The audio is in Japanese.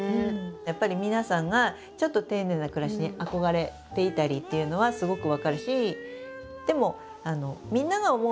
やっぱり皆さんがちょっと丁寧な暮らしに憧れていたりっていうのはすごく分かるし。